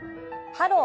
「ハロー！